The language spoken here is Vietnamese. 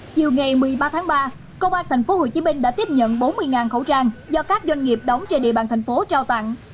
chiều ngày một mươi ba tháng ba công an tp hcm đã tiếp nhận bốn mươi khẩu trang do các doanh nghiệp đóng trên địa bàn thành phố trao tặng